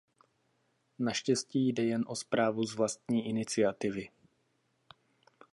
Naštěstí jde jen o zprávu z vlastní iniciativy.